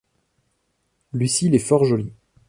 Lucile est fort jolie.